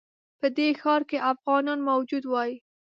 په دې ښار کې افغانان موجود وای.